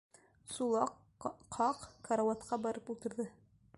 Сулаҡ ҡаҡ карауатҡа барып ултырҙы: